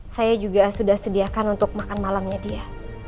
saya juga sudah sediakan untuk makan malamnya dia